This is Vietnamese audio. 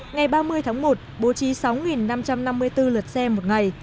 ngày ba mươi tháng một bố trí sáu năm trăm năm mươi bốn lượt xe một ngày